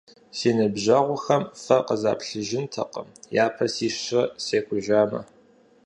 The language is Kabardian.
Си ныбжьэгъухэм фэ къызаплъыжынтэкъым, япэ сищрэ секӀужамэ.